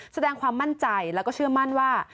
แสดงความมั่นใจแล้วก็เชื่อมั่นว่า